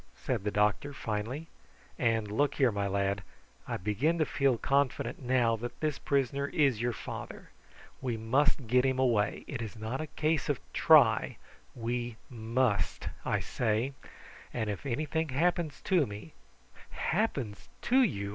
said the doctor finally. "And look here, my lad; I begin to feel confident now that this prisoner is your father. We must get him away. It is not a case of try! We must, I say; and if anything happens to me " "Happens to you!"